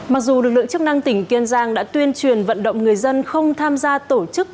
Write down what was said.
mặc dù lực lượng chức năng tỉnh kiên giang đã tuyên truyền vận động người dân không tham gia tổ chức